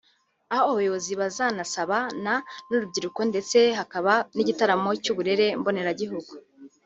aho abayobozi bazanasabana n’urubyiruko ndetse hakaba n’igitaramo cy’uburere mboneragihugu